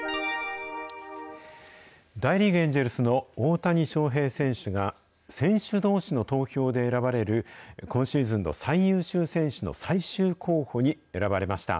大リーグ・エンジェルスの大谷翔平選手が、選手どうしの投票で選ばれる、今シーズンの最優秀選手の最終候補に選ばれました。